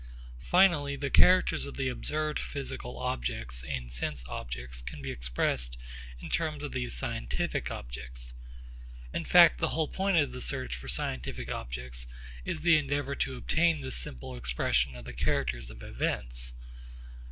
Finally the characters of the observed physical objects and sense objects can be expressed in terms of these scientific objects. In fact the whole point of the search for scientific objects is the endeavour to obtain this simple expression of the characters of events.